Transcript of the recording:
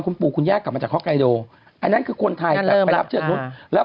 เต็มปูคุณยากกลับมาจากท่อไกโดอันนั้นคือคนไทยไม่รับเชื้อทุนแล้ว